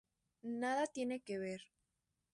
Nada tienen que ver.